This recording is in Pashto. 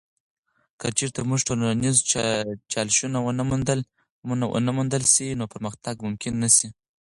که چیرته موږ ټولنیز چالشونه ونه موندل سي، نو پرمختګ ممکن نه سي.